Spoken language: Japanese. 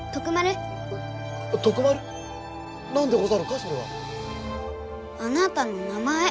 それは。あなたの名前。